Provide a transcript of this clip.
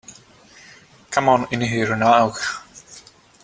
Come on in here now.